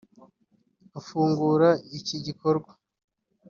afungura iki gikorwa